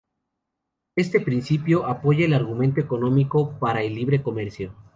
Este principio apoya el argumento económico para el libre comercio.